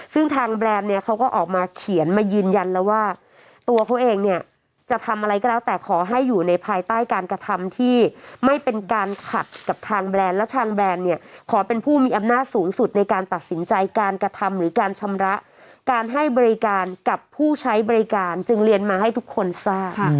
ซึ่งทางแบรนด์เนี่ยเขาก็ออกมาเขียนมายืนยันแล้วว่าตัวเขาเองเนี่ยจะทำอะไรก็แล้วแต่ขอให้อยู่ในภายใต้การกระทำที่ไม่เป็นการขัดกับทางแบรนด์และทางแบรนด์เนี่ยขอเป็นผู้มีอำนาจสูงสุดในการตัดสินใจการกระทำหรือการชำระการให้บริการกับผู้ใช้บริการจึงเรียนมาให้ทุกคนทราบ